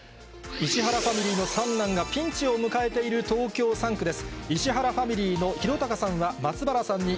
石原ファミリーの三男がピンチを迎えている東京３区です。